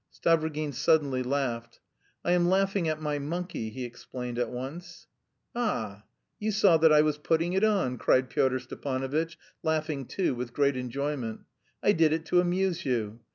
Stavrogin suddenly laughed. "I am laughing at my monkey," he explained at once. "Ah! You saw that I was putting it on!" cried Pyotr Stepanovitch, laughing too, with great enjoyment. "I did it to amuse you!